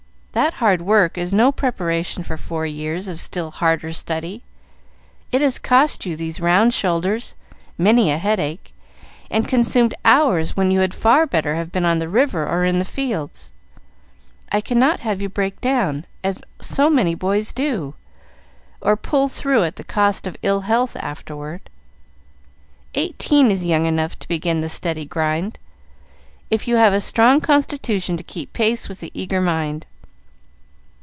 That hard work is no preparation for four years of still harder study. It has cost you these round shoulders, many a headache, and consumed hours when you had far better have been on the river or in the fields. I cannot have you break down, as so many boys do, or pull through at the cost of ill health afterward. Eighteen is young enough to begin the steady grind, if you have a strong constitution to keep pace with the eager mind.